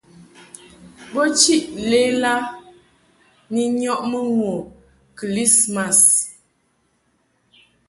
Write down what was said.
Bo chiʼ lela ni nyɔʼmɨ ŋu kɨlismas.